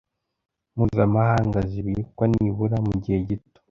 mpuzamahanga zibikwa nibura mu gihe gito